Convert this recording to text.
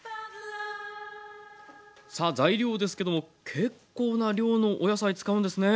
さあ材料ですけども結構な量のお野菜使うんですね。